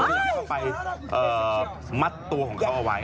อยากเข้าไปมัดตัวของเขาเอาไว้